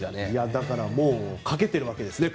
だからもうかけているわけですね。